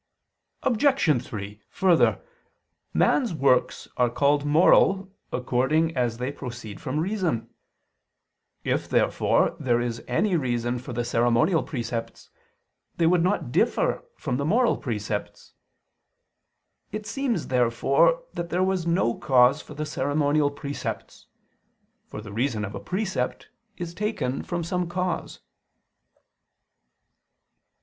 Obj. 3: Further, man's works are called moral according as they proceed from reason. If therefore there is any reason for the ceremonial precepts, they would not differ from the moral precepts. It seems therefore that there was no cause for the ceremonial precepts: for the reason of a precept is taken from some cause.